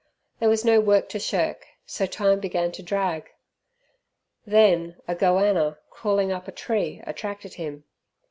There was no work to shirk, so time began to drag. Then a "goanner" crawling up a tree attracted him.